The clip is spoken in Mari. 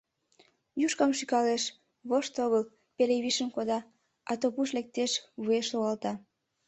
Юшкам шӱкалеш — вошт огыл, пеле вишым кода, ато пуш лектеш, вуеш логалта.